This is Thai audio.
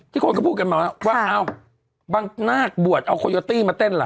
ที่คนก็พูดกันมาว่าค่ะว่าเอาบางนาฬบวชเอาโคโยตี้มาเต้นล่ะ